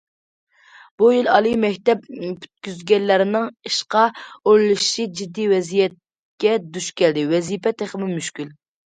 بۇ يىل ئالىي مەكتەپ پۈتكۈزگەنلەرنىڭ ئىشقا ئورۇنلىشىشى جىددىي ۋەزىيەتكە دۇچ كەلدى، ۋەزىپە تېخىمۇ مۈشكۈل.